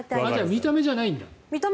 見た目じゃないんだ。